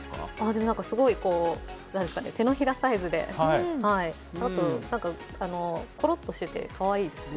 すごい、手のひらサイズでコロっとしていて、かわいいですね。